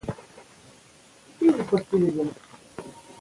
ازادي راډیو د د تګ راتګ ازادي د پرمختګ په اړه هیله څرګنده کړې.